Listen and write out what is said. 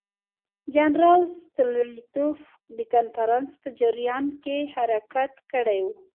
جنرال ستولیتوف د کنفرانس په جریان کې حرکت کړی وو.